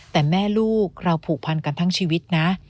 แต่แม่ลูกเราผูกพันกันทั้งชีวิตนะ